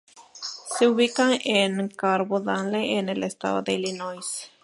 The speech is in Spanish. Se ubica en Carbondale en el estado de Illinois.